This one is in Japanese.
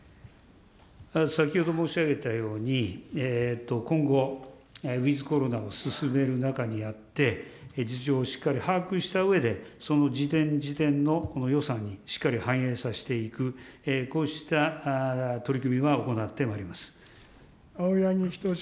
先ほど申し上げたように、今後、ウィズコロナを進める中にあって、実情をしっかり把握したうえで、その時点時点の予算にしっかり反映させていく、こうした取り組みは行ってまいります。